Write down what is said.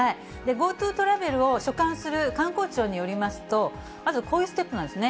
ＧｏＴｏトラベルを所管する観光庁によりますと、まずこういうステップなんですね。